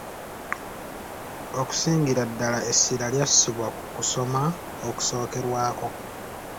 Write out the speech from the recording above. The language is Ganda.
Okusingira ddala essira lyassibwa ku kusoma okusookerwako.